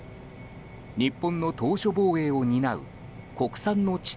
日本の島しょ防衛を担う国産の地